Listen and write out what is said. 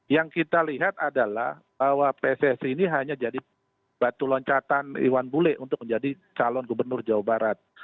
yang kita lihat adalah bahwa pssi ini hanya jadi batu loncatan iwan bule untuk menjadi calon gubernur jawa barat